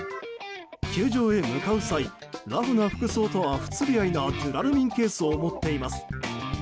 球場へ向かう際ラフな服装とは不釣り合いなジュラルミンケースを持っています。